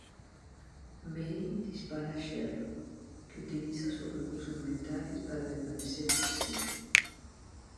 Mary dispara a Sherlock, que utiliza sus recursos mentales para permanecer consciente.